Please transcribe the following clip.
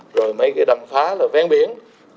rồi mấy cái đầm phá là ven biển